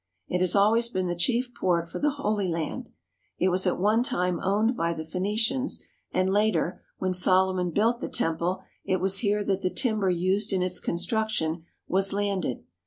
It has always been the chief port for the Holy Land. It was at one time owned by the Phoenicians, and later, when Solomon built the temple, it was here that the timber used in its construction was landed.